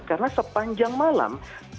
karena sepanjang malam